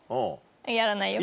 やらないよ。